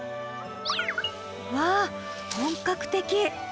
わあ本格的！